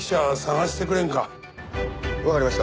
わかりました。